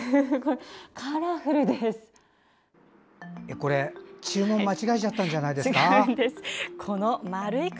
これ注文間違えたんじゃないんですか？